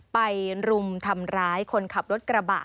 รุมทำร้ายคนขับรถกระบะ